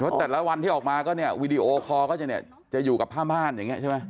แต่ว่าแต่ละวันที่ออกมาก็เนี่ยวีดีโอคอล์ก็จะอยู่กับผ้าบ้านอย่างนี้ใช่ไหม